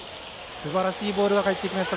すばらしいボールが返ってきました。